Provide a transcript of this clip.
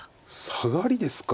サガリですか。